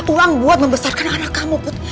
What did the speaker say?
uang buat membesarkan anak kamu pun